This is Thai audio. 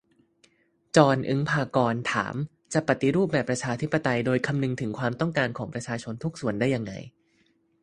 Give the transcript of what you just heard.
จอน อึ๊งภากรณ์ ถาม จะปฏิรูปแบบประชาธิปไตยโดยคำนึงถึงความต้องการของประชาชนทุกส่วนได้ยังไง ?